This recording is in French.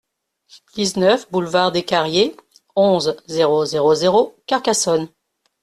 dix-neuf boulevard des Carriers, onze, zéro zéro zéro, Carcassonne